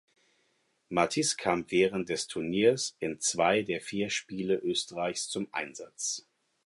Mathis kam während des Turniers in zwei der vier Spiele Österreichs zum Einsatz.